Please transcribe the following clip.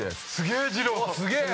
すげえ！